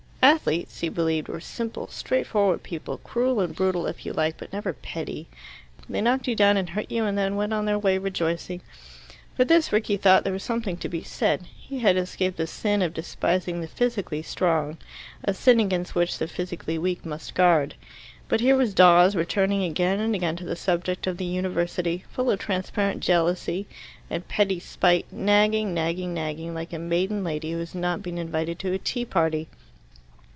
Athletes, he believed, were simple, straightforward people, cruel and brutal if you like, but never petty. They knocked you down and hurt you, and then went on their way rejoicing. For this, Rickie thought, there is something to be said: he had escaped the sin of despising the physically strong a sin against which the physically weak must guard. But here was Dawes returning again and again to the subject of the University, full of transparent jealousy and petty spite, nagging, nagging, nagging, like a maiden lady who has not been invited to a tea party.